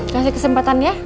kasih kesempatan ya